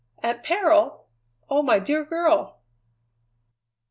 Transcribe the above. "At peril! Oh, my dear girl!"